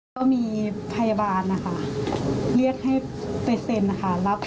ก็มีพยาบาลเรียกให้ไปเซ็นต์